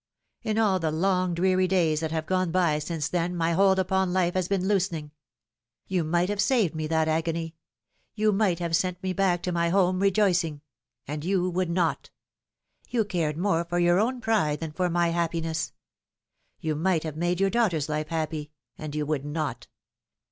In all the long dreary days that have gone by since then my hold upon life has been loosening. You might have saved me that agony. You might have sent me back to my home rejoicing and you would not. You cared more for your own pride than for my happiness. You might have made your daughter's life happy and you would not.